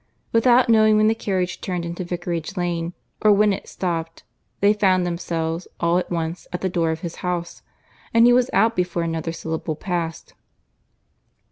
Without knowing when the carriage turned into Vicarage Lane, or when it stopped, they found themselves, all at once, at the door of his house; and he was out before another syllable passed.